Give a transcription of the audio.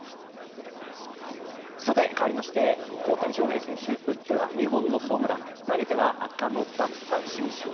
かわりまして、大谷翔平選手打っては２本のホームラン投げては圧巻の奪三振ショー。